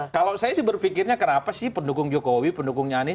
kalau saya sih berpikirnya kenapa sih pendukung jokowi pendukungnya anies